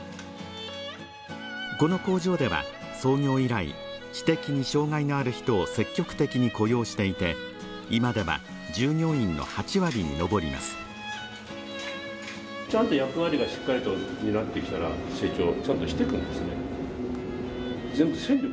この工場では操業以来知的に障害のある人を積極的に雇用していて今では従業員の８割に上ります